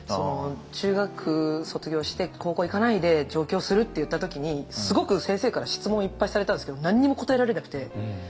中学卒業して高校行かないで上京するって言った時にすごく先生から質問いっぱいされたんですけど何にも答えられなくて。